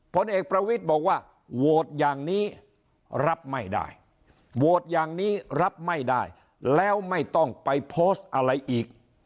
ผลเอกประวิทย์บอกว่าโหวตอย่างนี้รับไม่ได้โหวตอย่างนี้รับไม่ได้แล้วไม่ต้องไปโพสต์อะไรอีก